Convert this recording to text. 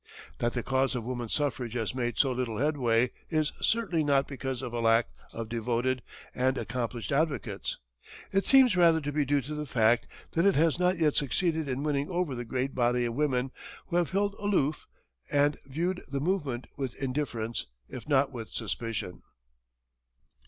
That the cause of woman suffrage has made so little headway is certainly not because of a lack of devoted and accomplished advocates; it seems rather to be due to the fact that it has not yet succeeded in winning over the great body of women, who have held aloof and viewed the movement with indifference, if not with suspicion.